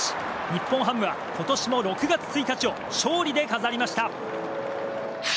日本ハムは今年も６月１日を勝利で飾りました。